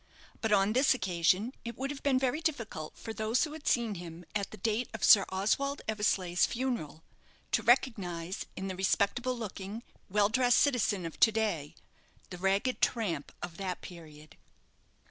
But on this occasion it would have been very difficult for those who had seen him at the date of Sir Oswald Eversleigh's funeral to recognize, in the respectable looking, well dressed citizen of to day, the ragged tramp of that period.